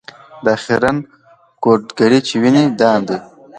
دا خیرنه ګودړۍ چي وینې دام دی